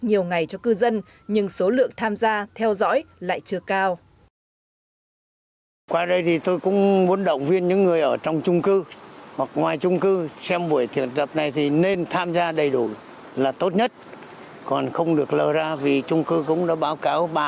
nhiều ngày cho cư dân nhưng số lượng tham gia theo dõi lại chưa cao